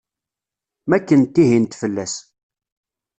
Mi akken tihint fell-as.